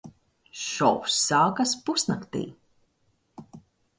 Šovs sākas pusnaktī.